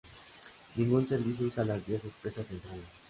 Ningún servicio usa las vías expresas centrales.